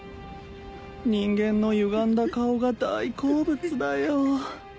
人間のゆがんだ顔が大好物だよ